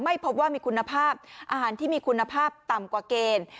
พบว่ามีคุณภาพอาหารที่มีคุณภาพต่ำกว่าเกณฑ์